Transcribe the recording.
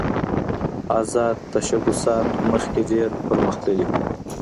آزاد تشبثات مخکې ډېر پرمختللي وو.